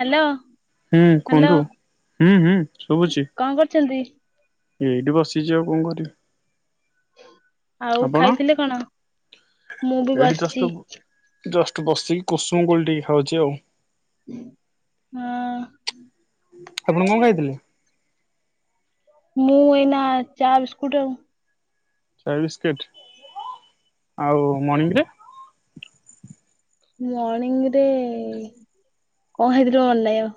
Hello ହୁଁ hello କୁହନ୍ତୁ ହୁଁ ହୁଁ ଶୁଭୁଛି। କଣ କରୁଛନ୍ତି? ଏଇଠି ବସିଛି ଆଉ କଣ କରିବି? ଆଉ ଆପଣ? ଖାଇଥିଲେ କଣ ମୁଁ ବି ଏଇଠି ଜଷ୍ଟ ବସିଛି। ଜଷ୍ଟ ବସିକି କୁସୁମ କୋଳି ଟିକେ ଖାଉଛି ଆଉ। ହଁ। ଆପଣ କଣ ଖାଇଥିଲେ? ମୁଁ ଏଇନା ଚା ବିିସ୍କୁଟ ଆଉ। ଚା ବିସ୍କେଟ୍ ଆଉ ମଣିଂରେ? ମର୍ଣିଂ ରେ କଣ ଖାଇଥିଲି ମନେ ନାଇଁ ଆଉ।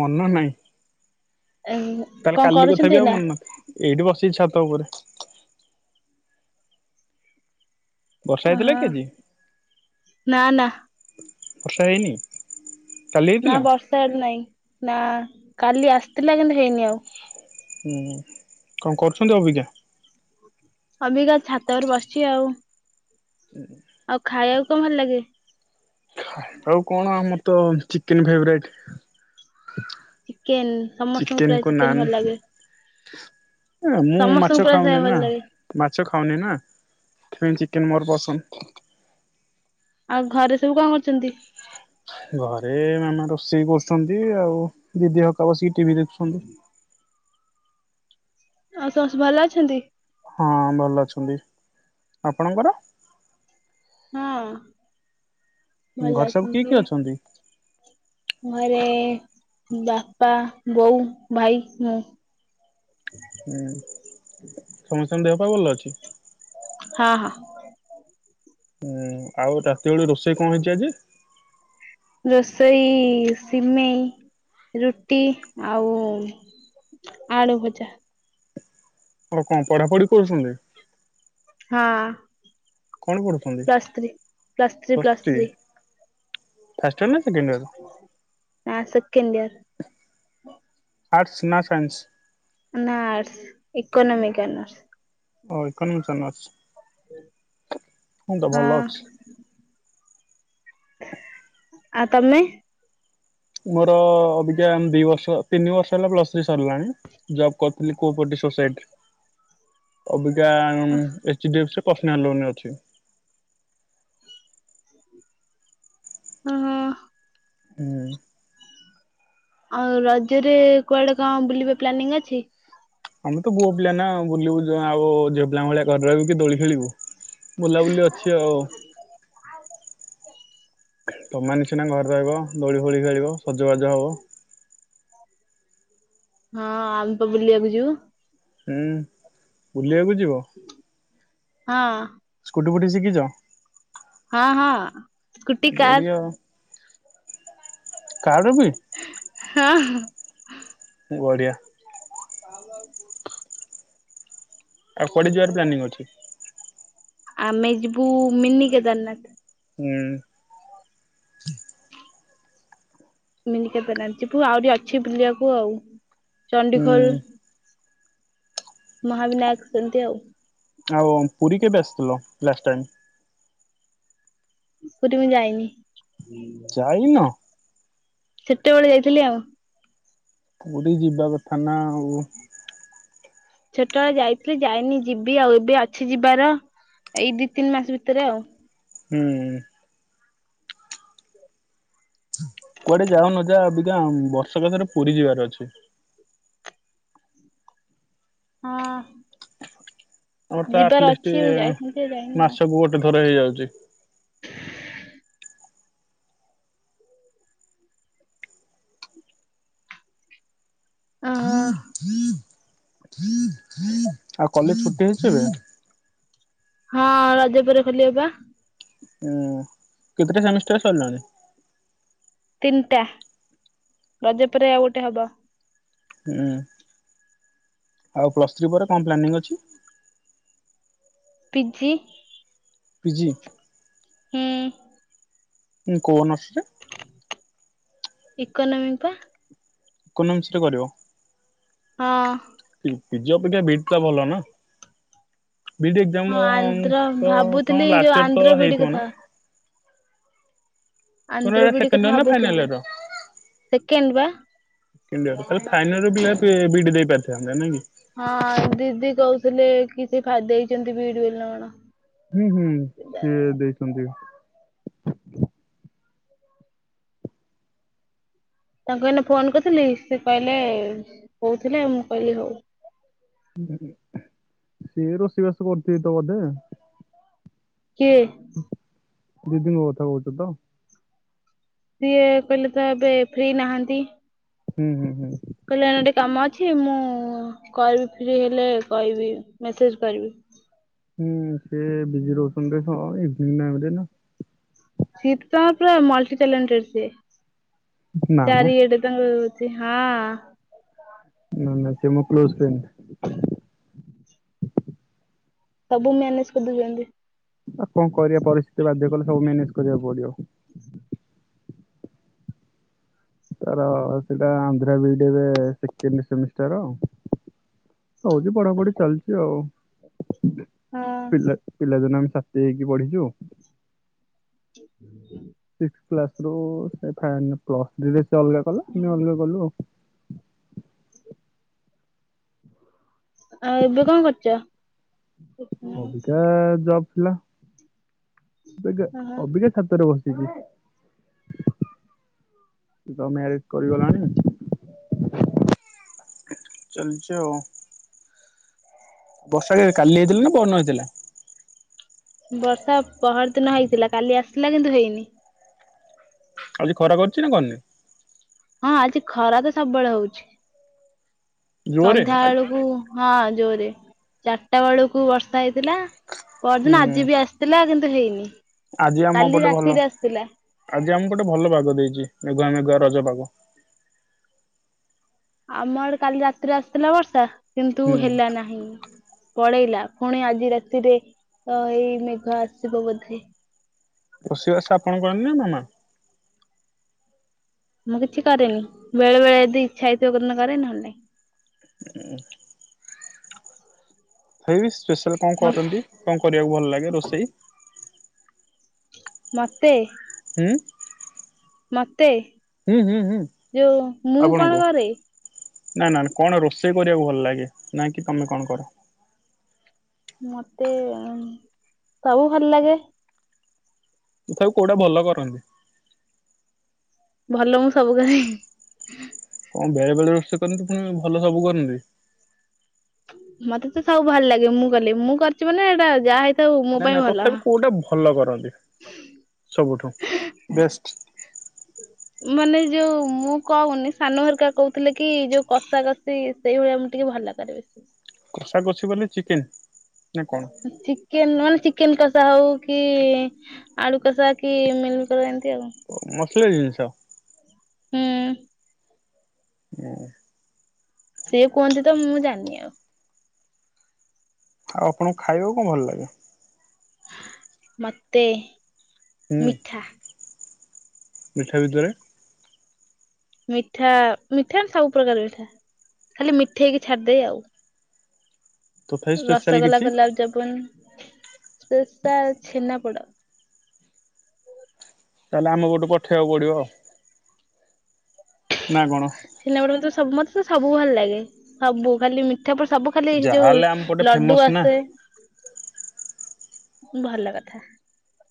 ମନେ ନାଇଁ? ଉ କଣ କରୁଛନ୍ତି ଆଉ ଏଇନା? ମନେ ନଥିବ ଏଇଠି ବସିଛି ଛାତ ଉପରେ। ବର୍ଷା ହେଇଥିଲା କି ହଁ ଆଜି ନା ନା। ବର୍ଷା ହେଇନି? କାଲି ନା ହେଇଥିଲା ବର୍ଷା ଇଆଡ଼େ ନାଇଁ। ନା କାଲି ଆସିଥିଲା କିନ୍ତୁ ହେଇନି ଆଉ। ହୁଁ କଣ କରୁଛନ୍ତି ଅଭିକା? ଅବିକା ଛାତ ଉପରେ ବସିଛି ଆଉ। [inaudible] ଆଉ ଖାଇବାକୁ କଣ ଭଲ ଲାଗେ? ଖାଇବାକୁ କଣ ଆ ମତେ ତ ଚିକେନ ଫେବରାଇଟ୍। ଚିକେନ ସମସ୍ତଙ୍କୁ ଚିକେନ ପ୍ରାୟ କୁ ନାନ୍ ଭଲ ଲାଗେ ମୁଁ ସମସ୍ତଙ୍କୁ ମାଛ ପ୍ରାୟ ଖାଇବା ଖାଉନି ଭଲ ନା ଲାଗେ ମାଛ ଖାଉନି ନା ସେଥିପାଇଁ ଚିକେନ ମୋର ପସନ୍ଦ। [inaudible] ଆଉ ଘରେ ସବୁ କଣ କରୁଛନ୍ତି? ଘରେ ମାମା ରୋଷେଇ କରୁଛନ୍ତି ଆଉ ଦିଦି ଅପା ବସିକି ଟିଭି ଦେଖୁଛନ୍ତି। ଆଉ ସମସ୍ତେ ଭଲ ଅଛନ୍ତି? ହଁ ଭଲ ଅଛନ୍ତି ଆପଣଙ୍କର? ହଁ। [inaudible] ଘରେ ସବୁ କିଏ କିଏ ଅଛନ୍ତି? ଘରେ ବାପା ବୋଉ ଭାଇ ମୁଁ ହୁଁ। ସମସ୍ତ ଙ୍କ ଦେହ ପା ଭଲ ଅଛି? ହଁ ହଁ। ହୁଁ ଆଉ ରାତି ବେଳୁ ରୋଷେଇ କଣ ହେଇଛି ଆଜି? ରୋଷେଇ ସିମେଇ ରୁଟି ଆଉ ଆଳୁ ଭଜା ଆଉ କଣ ପଢାପଢି କରୁଛନ୍ତି? ହଁ। କଣ ପଢୁଛନ୍ତି plus three plus three plus three first year ନା? ସେକେଣ୍ଡ ଇୟର ନାଁ ସେକେଣ୍ଡିଅର୍ [inaudible] ଆର୍ଟ୍ସ୍ ନା ସାଇନ୍ସ? ନା ଆଡ୍ସସ ଇକୋନୋମିକ୍ ଅନାର୍ଷ ଓ ଇକୋନୋମିକ ଅନର୍ଷ ହୁଁ ତ ହଁ ଭଲ ଅଛି ଆ ତମେ ମୋ ତ ଅଭିକା ଦି ବର୍ଷ ତିନି ବର୍ଷ ହେଲା ପ୍ଲସ ଥ୍ରୀ ସରିଲାଣି। ଜବ୍ କରିଥିଲି କୋ ପଟି ସୋସାଈଟିରେ ଅବି କା ଏଚ-ଡି-ଏଫସି ପର୍ଶିନାଲ ଲୋନରେ ଅଛି। ହଁ ହଁ। ହୁଁ। ଆଉ ରଜରେ କୁଆଡେ କଣ ବୁଲିବା ପ୍ଲାନିଂ ଅଛି? ଆମେ ତ ପୁଅ ପିଲା ନା ବୁଲିବୁ ଆଉ ଝିଅ ପିଲା ଭଳିଆ ଘରେ ରହିବୁ କି ଦୋଳି ଖେଳିବୁ ବୁଲାବୁଲି ଅଛି ଆଉ ତମମା ତମେ ସିନା ଘରେ ରହିବ ଦୋଳି ଫୋଳି ଖେଳିବ ସଜବାଜ ହବ। ହଁ ଆମେ ତ ବୁଲିବାକୁ ଯିବୁ। ହୁଁ ବୁଲିବାକୁ ଯିବ? ହଁ। ରୁଟି ଫୁଟି ଶିଖିଛ? ହଁ ହଁ। ସ୍କୁଟି କାର୍ କାର ବିି? ହଁ ଓଡ଼ିଆ, କ [unintelligible] ଆଉ କୁଆଡେ ଯିବାର ପ୍ଲାନିଂ ଅଛି? ଆମେ ଜିବୁ ମିନି କେଦାରନାଥ। ହୁଁ, ମିନିକେଦାର ନାଥ ଯିବୁ ଆହୁରି ଅଛି ବୁଲିବାକୁ ଆଉ। ହୁଁ ଚଣ୍ଡିଖୋଲ, ମହାବିନାୟକ ସେମତିଆଉ ଆଉ ପୁରୀ କେବେ ଆସିଥିଲ ଲାଷ୍ଟ ଟାଇମ୍ ପୁରୀ ମୁଁ ଯାଇନି। ଯାଇନ? ସେତେବେଳେ ଯାଇଥିଲି ଆଉ। ପୁରୀ ଯିବା କଥା ନା ଆଉ ଛୋଟବେେଳେ ଯାଇଥିଲି ଯାଇନି ଯିବି ଆଉ ଏବେ ଅଛି ଯିବାର ଏଇ ଦି ତିନି ମାସ ଭିତରେ ଆଉ। ହୁଁ ଉଁ କୁଆଡେ ଯାଉନ ଯା ବର୍ଷକେଥରେ ପୁରୀ ଯିବାର ଅଛି। ହଁ, ଆମର ତ ଯିବାର ଆଟଲିଷ୍ଟ ଅଛି ମୁଁ ଯାଇଥାନ୍ତି ଯେ ଯାଇନି ଆଉ। ମାସକୁ ଗୋଟେ ଥର ହେଇଯାଉଛି [inaudible] ଅ ହୁଁ ହୁଁ [inaudible] ଆଉ କଲେଜ ଛୁଟି ହେଇଛି ଏବେ ହଁ ରଜ ପରେ ଖୋଲିିବପା ଉଁ କେତେଟା ସେମିଷ୍ଟାର ସରିଲାଣି। ତିନିଟା ରଜ ପରେ ଆଉ ଗୋଟେ ହବ। ହୁଁ ଆଉ ପ୍ଲସ୍ ଥ୍ରୀ ପରେ କଣ ପ୍ଲାନିଂ ଅଛି। ପି୍ଜି ପିଜି ହୁଁ ହୁଁ କୋଉ ଅନରସରେ ଇକୋନୋମିକ ପା ଇକୋନୋମିକସ ରେ କରିବ? ହଁ ପିଜି ଅପେକ୍ଷା ବିଇଡ ଟା ଭଲ ନା। ବିଇଡି ହଁ ଏଜାମ ଆନ୍ଧ୍ର ଭାବୁଥିଲି ତଣ ଯୋଉ ଲାଷ୍ଟ ଇୟର ତ ଆନ୍ଧ୍ର ବିଡି ହେଇଥିବ କଥା ନା, ତମର ଆନ୍ଧ୍ର ଏଇଟା ବିଇଡ ସେକେଣ୍ଡ ଇୟର କଥା ନା ଫାଇନାଲ ଭାବୁଥିଲି ଇୟର? ସେକେଣ୍ଡ ବା କି ତାଲେ ଫାଇନାଲରେ ବି ବିଡି ଦେଇ ପାରିଥାନ୍ତ ନାଇଁକି। ହଁ ଦିଦି କହୁଥିଲେ କିଛି ଫା ହେଇଛନ୍ତି ବିଡ ବୋଲି ନା କଣ ହୁଁ ହୁଁ ସିଏ ଦେଇଛନ୍ତି। ତାଙ୍କୁ ଏଇନେ ଫୋନ କରିଥିଲି ସେ କହିଲେ କହୁଥିଲେ ମୁଁ କହିଲି ହଉ। ସିଏ ରୋଷେଇ ବାସ କରୁଥିବେ ତ ବୋଧେ କିଏ ଦିଦିଙ୍କ କଥା କହୁଛ ତ ସିଏ କହିଲେ ତ ଏବେ ଫ୍ରି ନାହାନ୍ତି। ହୁଁ ହୁଁ ହୁଁ। କହିଲେ ଏ ଟିକେ କାମ ଅଛି ମୁଁ କହିବି ଫ୍ରି ହେଲେ କହିବି ମେସେଜ କରିବି। ହଁ ସେ ବିଜି ରହୁଛନ୍ତି ନାଁ [inaudible] ଶୀତ ତମର ପୁରା ମଲ୍ଟି ଟ୍ୟାଲଣ୍ଟେଡ ସେ ନା ମ ଚାରି ଏଟେ ତାଙ୍କୁ ହଁ। ନା ନା ସେ ମୋ କ୍ଲୋଜ ଫ୍ରେଣ୍ଡ ସବୁ ମ୍ୟାନେଜ କରିଦୋଉଛନ୍ତି। [inaudible] ଆଉ କଣ କରିବା ପରିସ୍ଥିତି ବାଧ୍ୟ କଲେ ସବୁ ମ୍ୟାନେଜ କରିବାକୁ ପଡିବ। ତାର ସେଟା ଆନ୍ଧ୍ର ବି ଡ ଏବେ ସେକେଣ୍ଡସେମିଷ୍ଟାର ହୋଉଛି ପଢାପଢି ଚାଲିଛି ଆଉ ହଁ। ପିଲ ପିଲାଦୀନ ଛାତି ହେଇକି ପଢିଛୁ। [inaudible] ସିକ୍ସ କାଲ ରୁ ପ୍ଲସଥୀ ରେ ସେ ଅଲଗା କଲା ଆମେ ଅଲଗା କଲୁ ଆଉ ଆଉ ଏବେ କଣ କରୁଛ? ଅବିକା ଜବ [inaudible] ବବେଗ ଓହୋ ଅବିକା ଛାତରେ ବସିଚୀ ଓଏ ତ ମ୍ୟାରେଜ କରିଗଲାଣି ଚାଲିଚି ଆଉ ବର୍ଷା କେବେ କାଲି ହେଇଥିଲାନା? ପହରଦୀନ ହୋଇଇଥିଲା? ବର୍ଷା ପହର ଦିନ ହେଇଥିଲା କାଲି ଆସିଥିଲା କିନ୍ତୁ ହେଇନି। ଆଜି ଖରା କରିଛି ନାଁ କରୁନି? ହଁ ଆଜି ଖରା ତ ସବୁବେଳେ ହୋଉଛି। ଜୋରେ? ଆଜି- ସନ୍ଧ୍ୟାବେଳକୁ ହଁ ଜୋରେ ଚାରିଟା ବେଳକୁ ବର୍ଷା ହେଇଥିଲା। ହୁଁ ପରଦିନ ଆଜି ବି ଆସିଥିଲା କିନ୍ତୁ ହେଇନି ଆଜି ଆମ କାଲି ପଟେ ଭଲ ରାତିରେ ଆସିଥିଲା। ଆଜି ଆମକୁ ଗୋଟେ ଭଲ ପାଗ ଦେଇଛି ମେଘୁଆ ମେଘୁଆ ରଜ ପାଗ। ଆମର କାଲି ରାତିରେ ଆସିଥିଲା ବର୍ଷା କିନ୍ତୁ ହୁଁ ହେଲା ନାହିଁ। ପଳେଇଲା ପୁଣି ଆଜି ରାତିରେ ତ ଏଇ ମେଘ ଆସିବ ବୋଧେ ରୋଷେଇ ବାସ ଆପଣ କରନ୍ତି ନାଁ ମାମା? ମୁଁ କିଛି କରେନି ବେଳେ ବେଳେ ଯଦି ଇଚ୍ଛା ହେଇଥିବିନ କରେ ନହେଲେ ନାହିଁ। [inaudible] ହେଇସି ସ୍ପେଶାଲ୍ କଣ ନାହିଁ। କରୁଛନ୍ତି। କଣ କରିବାକୁ ଭଲ ଲାଗେ ରୋଷେଇ ମତେ ହୁଁ। ମ ତେ ହୁଁ ହୁଁ ହୁଁ ଯୋଉ ମୁଁ କଣ ଆପଣଙ୍କୁ କରେ ନା ନା କଣ ରୋଷେଇ କରିବାକୁ ଭଲ ଲାଗେ ନାଇଁକ କି ତମେ କଣ କର? ମତେ ସବୁ ଭଲ ଲାଗେ। ତଥାପ କୋଉଟା ଭଲ କରନ୍ତି? ଭଲ ମୁଁ ସବୁ କରେ ହଁ ବେଳେ ବେଳେ ରୋଷେଇ କରନ୍ତି ପୁଣି ଭଲ ସବୁ କରନ୍ତି। ମତେ ତ ସବୁ ଭଲ ଲାଗେ ମୁଁ କଲି ମୁଁ କରିଛି ମାନେ ଏଇଟା ଯାହା ହେଇ ନାଇ ନା ତଥାପି କୋଉଟା ଭଲ କରନ୍ତି। ସବୁଠୁ ବେଷ୍ଟ ମାନେ ଯୋଉ ମୁଁ କହୁନି ସାନ ହରକା କହୁଥିଲେ କି ଯୋଉ କଷା କଷି ସେଇଭଳିଆ ଆମେ ଟିକେ ଭଲ କରେ ବେଶୀ। ହୁଁ ଆଗକୁ ଅଛି ମାନେ ଚିକେନ ନା କଣ ଚିକେନ ମାନେ ଚି ଚିକେନ କଷା ହଉ କି ଆଳୁ କଷା କି ମିମି ଏମ୍ ଏମିତି ଆଉ କି ଜିନିଷ ହୁଁ। ହୁଁ। ସେ କୁହନ୍ତି ତ ମୁଁ ଜାଣିନି ଆଉ ଆଉ ଆପଣଙ୍କୁ ଖାଇବାକୁ କଣ ଭଲ ଲାଗେ? ମତେ ମିଠା ମିଠାାଭିତରେ ମିଠା ମିଠା ସବୁ ପ୍ରକାର ମିଠା ଖାଲି ମିଠେଇ ହେଇକି ଛାଡିଦେଇ ଆଉ ତଥାପି ସ୍ପେଶାଲ ରସଗୋଲା କିଛି? ଗୋଲାପଜାମୁନ ସ୍ପେସିଆଲ ଛେନାପୋଡ ତାହେଲେ ଆମ ପଟକୁ ପଠେଇବାକୁ ପଡିବ ଆଉ [unintelligible] ତ ସବୁ ଭଲ ଲାଗେ ସବୁ ଖାଲି ମି ସେପରେ ସବୁ ଖାଲି ଯୋଉ ଯାହାହେଲେ ଆମ ପଟେ ଲଡୁ ଫେମସ ନା। ଆସେ ଭଲ କଥା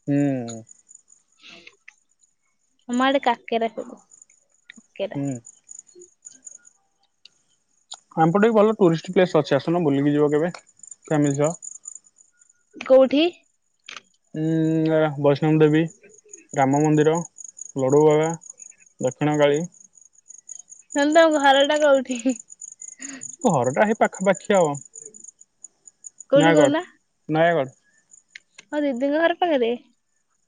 ହୁଁ। ତମ ଆଡେ କାକେରେ ହେବ ହୁଁ। ଆମପଟେ ବି ଭଲ, ଟୁରିଷ୍ଟ ପ୍ଲେସ୍ ଅଛି ଆସୁନ ବୁଲିକି ଯିବ କେବେ। [inaudible] କୋଉଠି? ହୁଁ ବୈଷ୍ଣବ ଦେବୀ ରାମ ମନ୍ଦିର ଲଡ଼ୁବାବା ଦକ୍ଷିଣକାଳି ହେଲେ ତମ ଘରଟା କଉଠି? ଘରଟା ହେଇ ପାଖାପାଖି ନୟାଗଡ଼ ନୟାଗଡ଼, ହଉ ଦିଦିଙ୍କ ଘର ପାଖରେ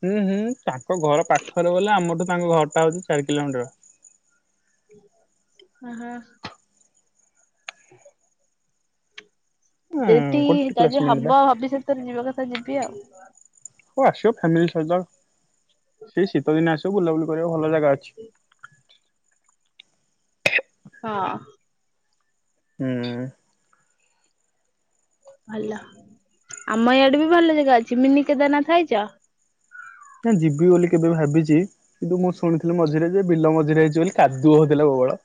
ହୁଁ ହୁଁ ତାଙ୍କ ଘର ପାଖରେ ବଲେ ଆମଠୁ ତାଙ୍କ ଘର ଟା ହଉଛି ଚାରି କିଲୋମିଟର ହୁଁ ହୁଁ ହ [inaudible] ହୁଁ ସେଠି ଗୋଟେ ଯଦି କ୍ଲାସମେଟ ବା ହବ ଭବିଷ୍ୟତରେ ଯିବା କଥା ତ ଯିବି ଆଉ। ଆଉ ଆସିବ ଫ୍ୟାମିଲି ସହିତ। ସେ ଶୀତ ଦିନ ଆସିବ ବୁଲାବୁଲି କରିବା ଭଲ ଜାଗା ଅଛି। ହଁ, ହୁଁ, ଭଲ ଆମ ଇଆଡେ ବି ଭଲ ଜାଗା ଅଛି ମିନି କେଦାରନାଥ ଆଇଛ? ନା ଯିବି ବୋଲି କେବେ ଭାବିଛି କିନ୍ତୁ ମୁଁ ଶୁଣିଥିଲି ମଝିରେ ଯେ ବିଲ ମଝିରେ ହେଇଛି ବୋଲି କାଦୁଅ ହଉଥିଲା ପ୍ରବଳ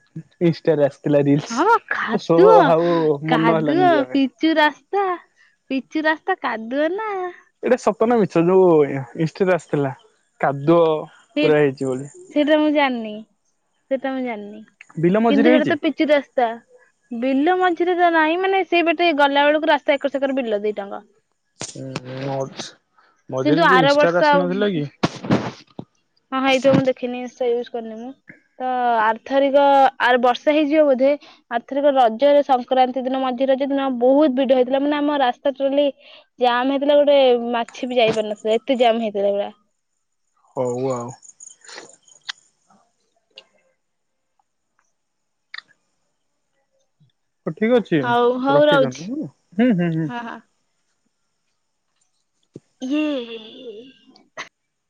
ଇନଷ୍ଟାରେ ଆସି ହଁ ଉ ମନ ହେଲାନି ଯିବା ପାଇଁ। ପିଚୁ ରାସ୍ତା କାଦୁଏ ନା ଏଇଟା ସତନା ମିଛ ଯୋଉ ଇନଷ୍ଟା ରେ ଆସିଥିଲା କାଦୁଅ ସେ ପୁରା ହେଇଛି ବୋଲି ସେଟା ମୁଁ ଜାଣିନି। ନି ସେଟା ମୁଁ ଜାଣିନି ବିଲ ମଝିରେ କିନ୍ତୁ ସେଟା ହେଇଛି? ତ ପିଚୁ ରାସ୍ତା ବିଲ ମ ରେ ତ ନାହିଁ ମାନେ ସେ ପଟେ ଗଲା ବେଳକୁ ରାସ୍ତା ଏକର ସେକର ବିଲ ଦିଟା ଯାକ। ହୁଁ ହୁଁ ନୋଟ କିନ୍ତୁ ଆର ବର୍ଷ ଆଉ ହଁ ହେଇଥିବ ମୁଁ ଦେଖିନି ୟୁଜ କରିନି ମୁଁ ତ ଆର୍ଥରିକ ଆ ବର୍ଷା ହେଇଯିବ ବୋଧେ ଆର୍ଥରିକ ରଜରେ ସଂକ୍ରାନ୍ତି ଦିନ ମଝିରେ ରଜ ଦିନ ବହୁତ ଭିଡ ହେଇଥିଲା ମାନେ ଆମ ରାସ୍ତା ଟଲି ଜାମ୍ ହେଇଥିଲା ଗୋଟେ ମାଛି ବି ଯାଇପାରିନଥିଲେ ଏତେ ଜାମ୍ ହେଇଥିଲା ଗା କୱ ହ ଠିକ ଅଛି ହଉ ହଉ ରହୁଛି ରଖିଛନ୍ତିଲା ହୁଁ ହୁଁ ହୁଁ ହଁ ହୁଁ ହୁଁ ହୁଁ